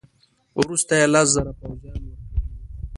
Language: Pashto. وروسته یې لس زره پوځیان ورکړي وه.